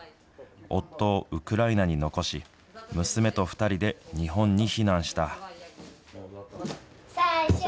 夫をウクライナに残し、娘と２人で日本に避難した。